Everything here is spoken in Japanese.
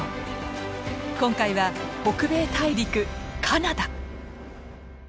今回は北米大陸カナダ！